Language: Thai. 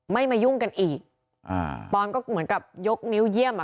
ไม่มายุ่งกันอีกอ่าปอนก็เหมือนกับยกนิ้วเยี่ยมอ่ะ